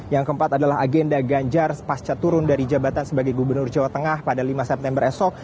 yang keempat adalah agenda ganjar pasca turun dari jabatan sebagai gubernur jawa tengah pada lima september esok